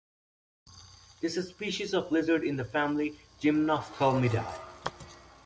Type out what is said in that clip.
This is species of lizard in the family Gymnophthalmidae.